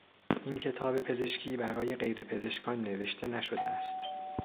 این کتاب پزشکی برای غیر پزشکان نوشته نشده است.